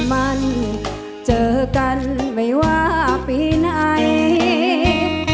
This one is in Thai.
มันเจอกันไม่ว่าปีไหน